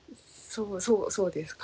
そうそうですか。